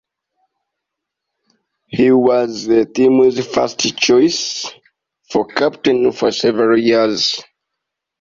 He was the team's first choice for captain for several years.